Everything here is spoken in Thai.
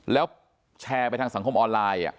แล้วแชร์ไปทางสังคมออนไลน์